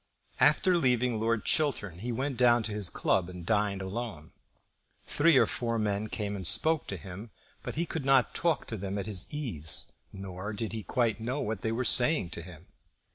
After leaving Lord Chiltern he went down to his club and dined alone. Three or four men came and spoke to him; but he could not talk to them at his ease, nor did he quite know what they were saying to him.